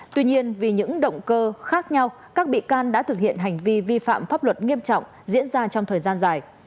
tuy nhiên vì những động cơ khác nhau các bị can đã thực hiện hành vi vi phạm pháp luật nghiêm trọng diễn ra trong thời gian dài